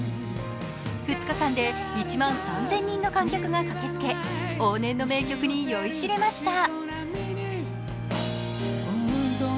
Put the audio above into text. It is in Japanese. ２日間で１万３０００人の観客が駆けつけ往年の名曲に酔いしれました。